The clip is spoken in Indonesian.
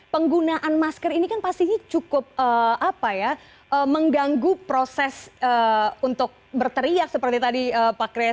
penggunaan masker ini kan pastinya cukup mengganggu proses untuk berteriak seperti tadi pak chris